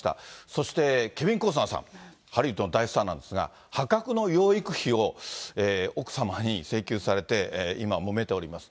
そしてケビン・コスナーさん、ハリウッドの大スターなんですが、破格の養育費を奥様に請求されて、今もめております。